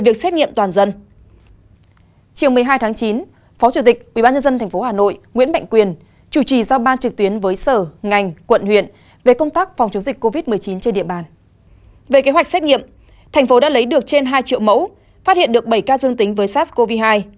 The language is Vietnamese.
về kế hoạch xét nghiệm thành phố đã lấy được trên hai triệu mẫu phát hiện được bảy ca dương tính với sars cov hai